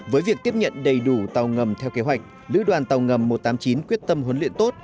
với việc tiếp nhận đầy đủ tàu ngầm theo kế hoạch lữ đoàn tàu ngầm một trăm tám mươi chín quyết tâm huấn luyện tốt